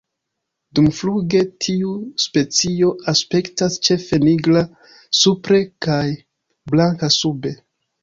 Dumfluge tiu specio aspektas ĉefe nigra supre kaj blanka sube.